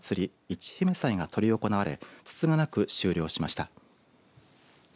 市姫祭が執り行われつつがなく終了しました。